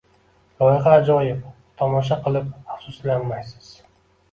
Loyiha ajoyib, tomosha qilib afsuslanmaysiz.